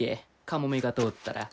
カモメが通ったら。